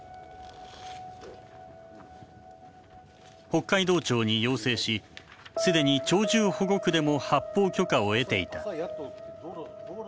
北海道庁に要請し既に鳥獣保護区でも発砲許可を得ていた。